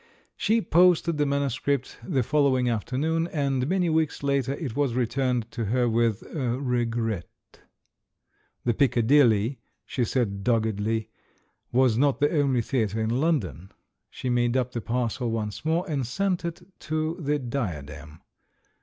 She posted the manuscript the following after noon, and many weeks later it was returned to her with "regret." The Piccadilly, she said dog gedly, was not the only theatre in London — she made up the parcel once more and sent it to the Diadem.